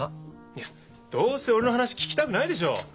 いやどうせ俺の話聞きたくないでしょ。